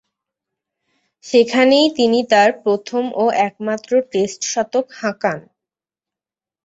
সেখানেই তিনি তার প্রথম ও একমাত্র টেস্ট শতক হাঁকান।